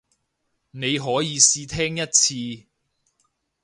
你可以試聽一次